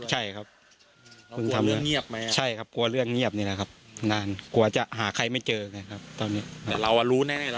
แต่เราแบบรู้ในผมว่าเค้าคือใคร